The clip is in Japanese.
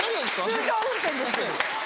通常運転です。